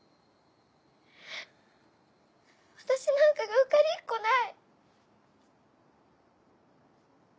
私なんかが受かりっこない。